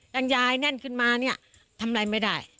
ยังยายแน่นขึ้นมาเนี่ยทำอะไรไม่ได้